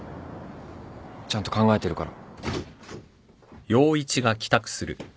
ちゃんと考えてるから。